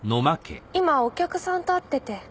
今お客さんと会ってて。